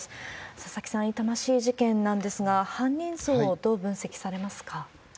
佐々木さん、痛ましい事件なんですが、犯人像をどう分析されますか？